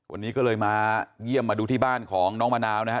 วันนี้ก็เลยมาเยี่ยมมาดูที่บ้านของน้องมะนาวนะฮะ